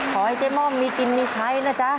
ขอให้เจ๊ม่อมมีกินมีใช้นะจ๊ะ